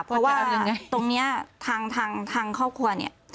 เพราะว่าตรงนี้ทางครอบครัวเนี่ย